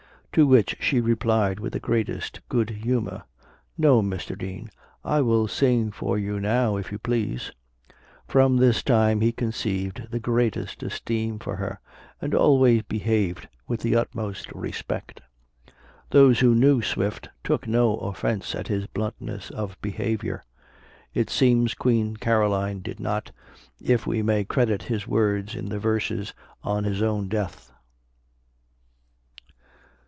To which she replied with the greatest good humor, "No, Mr. Dean; I will sing for you now, if you please." From this time he conceived the greatest esteem for her, and always behaved with the utmost respect. Those who knew Swift, took no offence at his bluntness of behavior. It seems Queen Caroline did not, if we may credit his words in the verses on his own death.